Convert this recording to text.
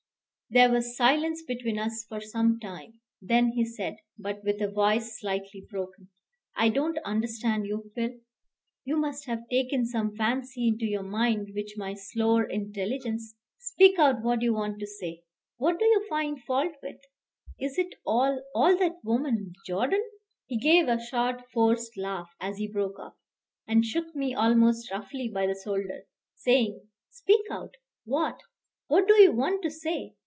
There was silence between us for some time; then he said, but with a voice slightly broken, "I don't understand you, Phil. You must have taken some fancy into your mind which my slower intelligence Speak out what you want to say. What do you find fault with? Is it all all that woman Jordan?" He gave a short, forced laugh as he broke off, and shook me almost roughly by the shoulder, saying, "Speak out! what what do you want to say?"